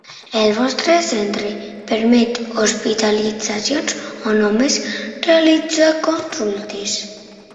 El vostre centre permet hospitalitzacions o només realitza consultes?